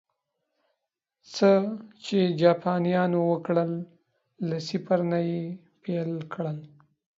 څه چې جاپانيانو وکړل، له صفر نه یې پیل کړل